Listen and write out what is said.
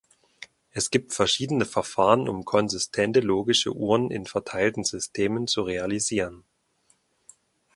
Es gibt verschiedene Verfahren, um konsistente logische Uhren in verteilten Systemen zu realisieren.